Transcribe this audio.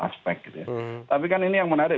aspek tapi kan ini yang menarik